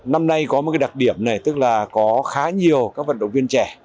năm nay có một cái đặc điểm này tức là có khá nhiều các vận động viên trẻ